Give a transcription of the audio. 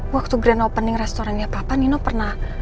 waktu grand opening restorannya papa nino pernah